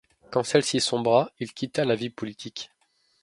Quand celle-ci sombra, il quitta la vie politique.